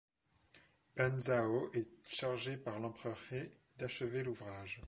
Ban Zhao est chargée par l'empereur He d’achever l'ouvrage.